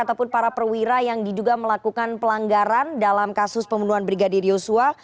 ataupun para perwira yang diduga melakukan pelanggaran dalam kasus pembunuhan brigadir yosua